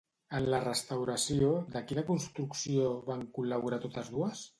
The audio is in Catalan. En la restauració de quina construcció van col·laborar totes dues?